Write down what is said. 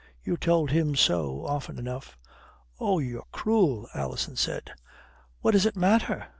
You told him so often enough." "Oh ... you're cruel," Alison said. "What does it matter?